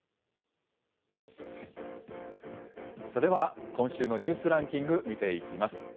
では、今週のニュースランキング、見ていきます。